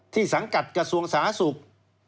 ที่สังกัดกระทรวงสาศุกร์